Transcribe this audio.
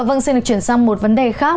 vâng xin được chuyển sang một vấn đề khác